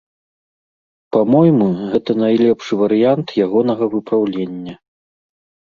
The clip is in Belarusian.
Па-мойму, гэта найлепшы варыянт ягонага выпраўлення.